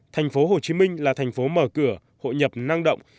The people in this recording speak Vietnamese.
tp hcm là thành phố mở cửa hội nhập năng động